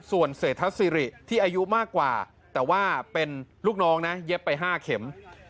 ส่วนเศรษฐศิริที่อายุมากกว่าแต่ว่าเป็นลูกน้องนะเย็บไป๕เข็ม